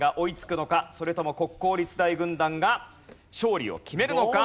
それとも国公立大軍団が勝利を決めるのか。